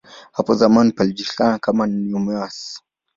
Hapo zamani palijulikana kama "Nemours".